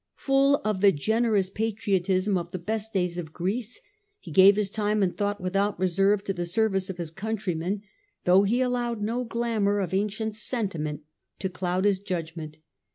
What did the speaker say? Full of the generous patriotism of the best days of Greece, he gave his time and thought without reserve to the service of his countrymen, though he allowed no glamour of ancient sentiment to cloud his judgment.